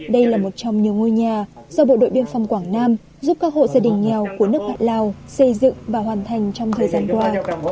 đây là một trong nhiều ngôi nhà do bộ đội biên phòng quảng nam giúp các hộ gia đình nghèo của nước bạn lào xây dựng và hoàn thành trong thời gian qua